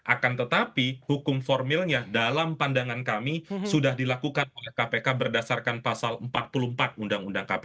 akan tetapi hukum formilnya dalam pandangan kami sudah dilakukan oleh kpk berdasarkan pasal empat puluh empat undang undang kpk